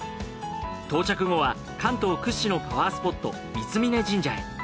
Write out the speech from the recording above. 到着後は関東屈指のパワースポット三峯神社へ。